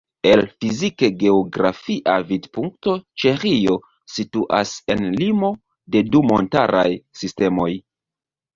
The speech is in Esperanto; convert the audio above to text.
El fizike-geografia vidpunkto Ĉeĥio situas en limo de du montaraj sistemoj.